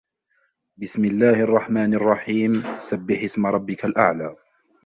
بِسْمِ اللَّهِ الرَّحْمَنِ الرَّحِيمِ سَبِّحِ اسْمَ رَبِّكَ الْأَعْلَى